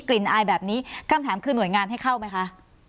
อายแบบนี้คำถามคือหน่วยงานให้เข้าไหมคะ